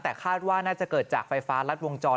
แต่คาดว่าน่าจะเกิดจากไฟฟ้ารัดวงจร